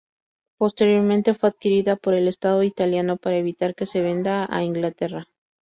Posteriormente fue adquirida por el estado italiano para evitar que se venda a Inglaterra.